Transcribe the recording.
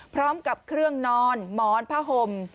พร้อมกับเครื่องนอนหมอนผ้าห่ม